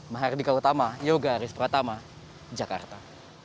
mahardika utama yoga aris pratama jakarta